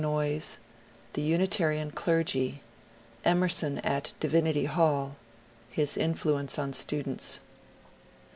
Noyes — The Unitarian deigy — Emerson at DiTinity Hall — His inflnenoe on students.